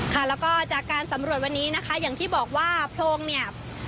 ค่ะแล้วก็จากการสำรวจวันนี้นะคะอย่างที่บอกว่าโพรงเนี่ย